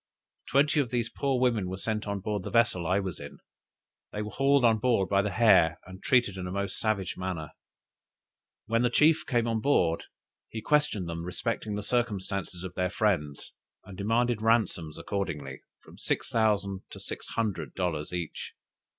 Twenty of these poor women were sent on board the vessel I was in; they were hauled on board by the hair, and treated in a most savage manner. When the chief came on board, he questioned them respecting the circumstances of their friends, and demanded ransoms accordingly, from six thousand to six hundred dollars each.